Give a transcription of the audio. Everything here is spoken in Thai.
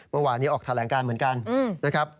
เมื่อวานนี้ออกแถลงการเหมือนกันนะครับ